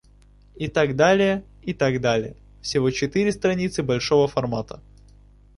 И так далее, и так далее, всего четыре страницы большого формата.